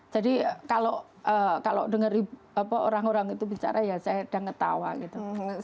jadi kalau kalau dengeri apa orang orang itu bicara ya saya udah ngetawa gitu